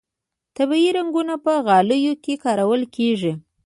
طبیعي رنګونه په غالیو کې کارول کیږي